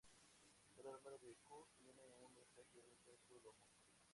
Cada número de "Q" tiene un mensaje diferente en su lomo.